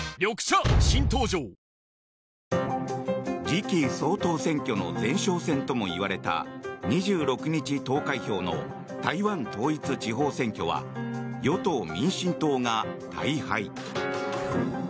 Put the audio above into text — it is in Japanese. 次期総統選挙の前哨戦ともいわれた２６日投開票の台湾統一地方選挙は与党・民進党が大敗。